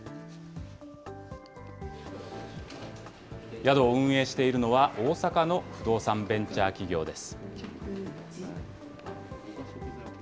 宿を運営しているのは、大阪の不動産ベンチャー企業です。